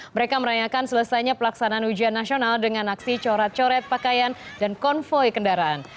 mereka merayakan selesainya pelaksanaan ujian nasional dengan aksi corat coret pakaian dan konvoy kendaraan